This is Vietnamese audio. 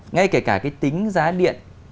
ngay kể cả cái tính giá điện